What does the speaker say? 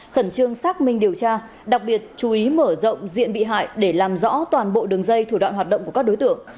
khẩn trương xác minh điều tra đặc biệt chú ý mở rộng diện bị hại để làm rõ toàn bộ đường dây thủ đoạn hoạt động của các đối tượng